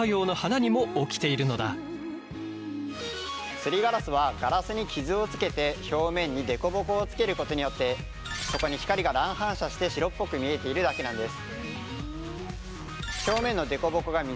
すりガラスはガラスに傷をつけて表面に凸凹をつけることによってそこに光が乱反射して白っぽく見えているだけなんです。